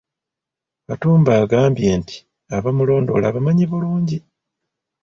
Katumba agambye nti abamulondoola abamanyi bulungi.